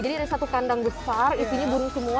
jadi ada satu kandang besar isinya burung semua